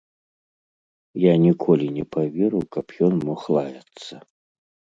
Я ніколі не паверу, каб ён мог лаяцца.